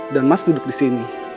dan mas duduk disini